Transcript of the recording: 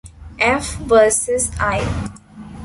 F. versus I.